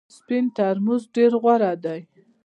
سپین ترموز ډېر غوره دی .